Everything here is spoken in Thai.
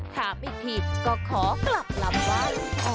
ถามอีกทีก็ขอกลับลำว่า